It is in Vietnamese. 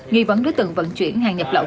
nghi vấn đối tượng vận chuyển hàng nhập lậu